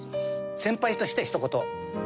先輩としてひと言。